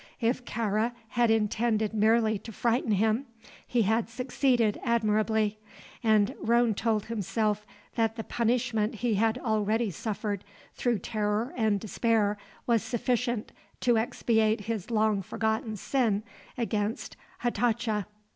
If Kāra had intended merely to frighten him, he had succeeded admirably, and Roane told himself that the punishment he had already suffered through terror and despair was sufficient to expiate his long forgotten sin against Hatatcha.